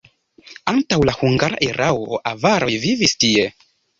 Antaŭ la hungara erao avaroj vivis tie.